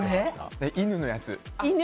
犬のやつ。